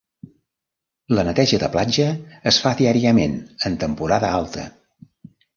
La neteja de platja es fa diàriament en temporada alta.